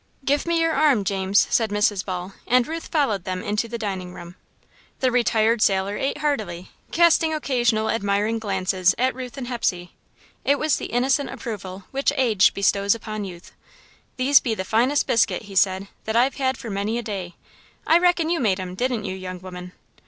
"Give me your arm, James," said Mrs. Ball, and Ruth followed them into the dining room. The retired sailor ate heartily, casting occasional admiring glances at Ruth and Hepsey. It was the innocent approval which age bestows upon youth. "These be the finest biscuit," he said, "that I've had for many a day. I reckon you made 'em, didn't you, young woman?"